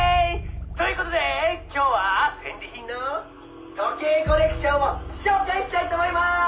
「という事で今日は戦利品の時計コレクションを紹介したいと思いまーす！」